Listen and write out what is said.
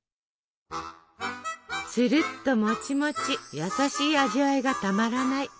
つるっともちもち優しい味わいがたまらない